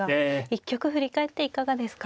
一局振り返っていかがですか。